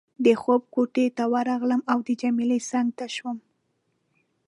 د خوب کوټې ته ورغلم او د جميله څنګ ته شوم.